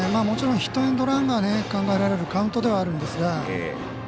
もちろんヒットエンドランが考えられるカウントではあるんですが。